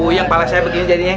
uyang palas saya begini jadinya